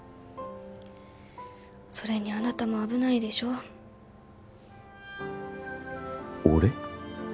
それにあなたも危ないでしょ俺？